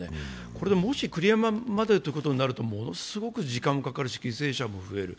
これでもし、クリミアまでということになると、ものすごく時間がかかるし、犠牲者も増える。